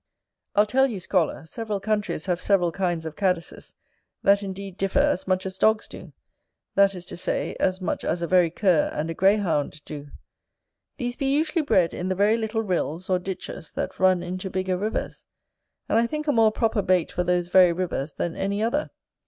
I'll tell you, scholar; several countries have several kinds of cadises, that indeed differ as much as dogs do; that is to say, as much as a very cur and a greyhound do. These be usually bred in the very little rills, or ditches, that run into bigger rivers; and I think a more proper bait for those very rivers than any other.